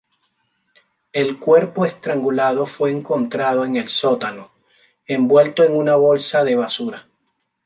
El cuerpo estrangulado fue encontrado en el sótano, envuelto en una bolsa de basura.